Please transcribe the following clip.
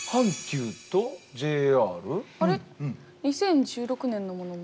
２０１６年のものも。